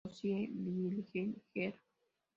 Ozzie Virgil, Jr.